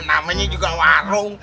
namanya juga warung